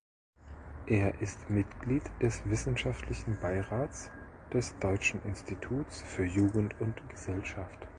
Er ist Mitglied des wissenschaftlichen Beirats des Deutschen Instituts für Jugend und Gesellschaft.